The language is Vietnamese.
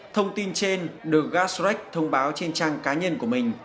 thông tin trên được gassex thông báo trên trang cá nhân của mình